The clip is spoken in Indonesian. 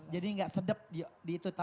jadi enggak sedep di itu